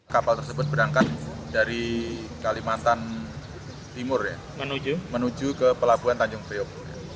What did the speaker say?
kapal tersebut berangkat dari kalimantan timur ya menuju ke pelabuhan tanjung priok